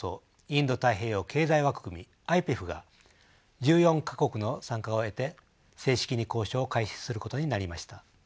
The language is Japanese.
インド太平洋経済枠組みＩＰＥＦが１４か国の参加を得て正式に交渉を開始することになりました。